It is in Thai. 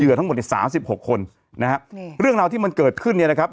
ทั้งหมดในสามสิบหกคนนะฮะนี่เรื่องราวที่มันเกิดขึ้นเนี่ยนะครับ